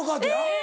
え！